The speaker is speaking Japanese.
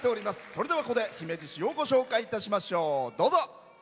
それではここで姫路市をご紹介いたしましょう。